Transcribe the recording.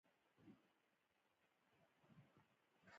احسان خان، تاسې ته خوب نه درځي؟ زیات نه.